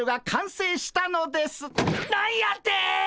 何やて！？